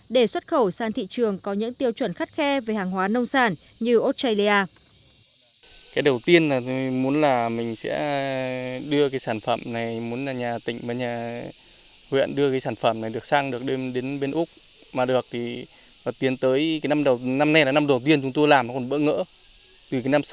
để xuất khẩu sang thị trường có những tiêu chuẩn khắt khe về hàng hóa nông sản như australia